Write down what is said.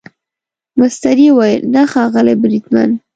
مستري وویل نه ښاغلی بریدمن.